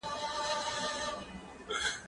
ايا ته مکتب خلاصیږې!.